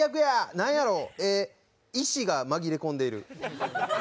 何やろ、え、石が紛れ込んでいる。